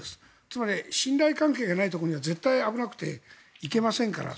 つまり信頼関係がないところには絶対に危なくて行けませんから。